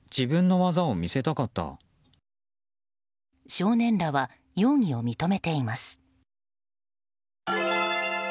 少年らは容疑を認めています。